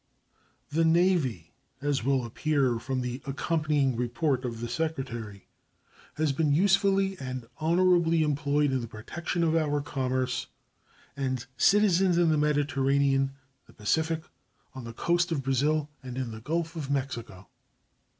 The Navy, as will appear from the accompanying report of the Secretary, has been usefully and honorably employed in the protection of our commerce and citizens in the Mediterranean, the Pacific, on the coast of Brazil, and in the Gulf of Mexico.